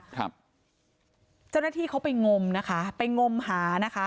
เจ้าหน้าที่เขาไปงมนะคะไปงมหานะคะ